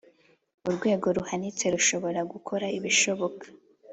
urwego ruhanitse rushobora gukora ibishoboka.